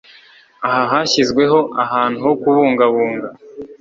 Aha hashyizweho ahantu ho kubungabunga.